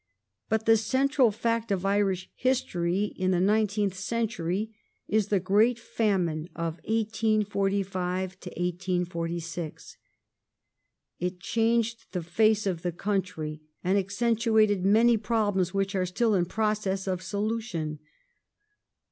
But the central fact of Irish history in the nineteenth century is the great famine of 1845 1846. It changed the face of the country and ac centuated many problems which are still in process of solution.